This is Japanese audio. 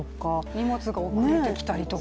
荷物が送れてきたりとか。